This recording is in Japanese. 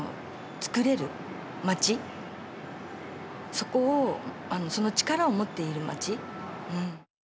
そこをその力を持っている町。